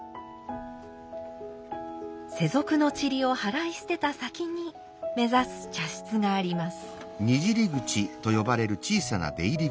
世俗のちりをはらい捨てた先に目指す茶室があります。